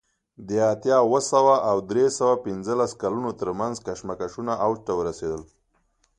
د اتیا اوه سوه او درې سوه پنځلس کلونو ترمنځ کشمکشونه اوج ته ورسېدل